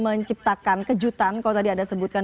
menciptakan kejutan kalau tadi anda sebutkan